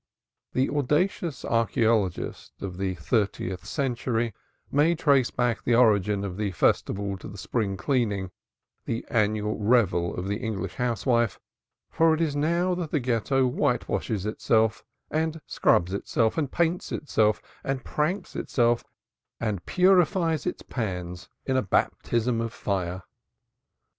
The audacious archaeologist of the thirtieth century may trace back the origin of the festival to the Spring Cleaning, the annual revel of the English housewife, for it is now that the Ghetto whitewashes itself and scrubs itself and paints itself and pranks itself and purifies its pans in a baptism of fire.